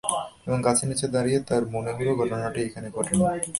এবং গাছের নিচে দাঁড়িয়ে তাঁর মনে হলো, ঘটনাটি এখানে ঘটে নি।